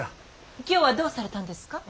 今日はどうされたんですか。